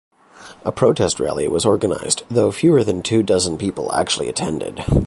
A protest rally was organized, though fewer than two dozen people actually attended.